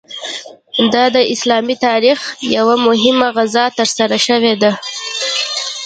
دا د اسلامي تاریخ یوه مهمه غزا ترسره شوې ده.